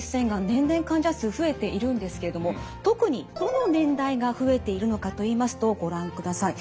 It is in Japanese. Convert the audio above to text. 年々患者数増えているんですけれども特にどの年代が増えているのかといいますとご覧ください。